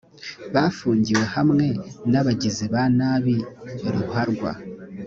bafungiwe hamwe n’abagizi ba nabi ruharwa